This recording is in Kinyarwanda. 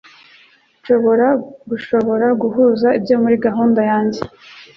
Nshobora gushobora guhuza ibyo muri gahunda yanjye.